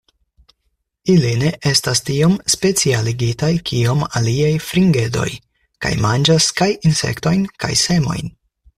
Ili ne estas tiom specialigitaj kiom aliaj fringedoj, kaj manĝas kaj insektojn kaj semojn.